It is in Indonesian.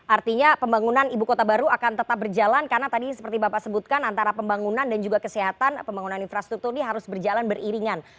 artinya pembangunan ibu kota baru akan tetap berjalan karena tadi seperti bapak sebutkan antara pembangunan dan juga kesehatan pembangunan infrastruktur ini harus berjalan beriringan